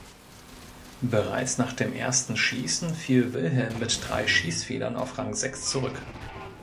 Bereits nach dem ersten Schießen fiel Wilhelm mit drei Schießfehlern auf Rang sechs zurück.